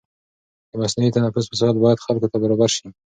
د مصنوعي تنفس وسایل باید خلکو ته برابر شي.